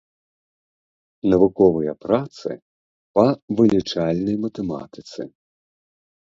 Навуковыя працы па вылічальнай матэматыцы.